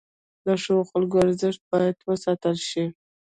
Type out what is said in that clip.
د ښو خلکو ارزښت باید وساتل شي.